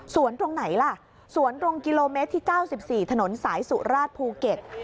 ตรงไหนล่ะสวนตรงกิโลเมตรที่๙๔ถนนสายสุราชภูเก็ต